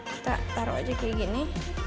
kita taruh aja kayak gini